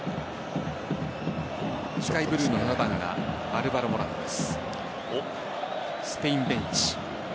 スカイブルーの７番がアルヴァロ・モラタです。